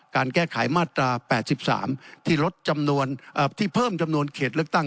การแก้ไขมาตรา๘๓ที่ลดจำนวนที่เพิ่มจำนวนเขตเลือกตั้ง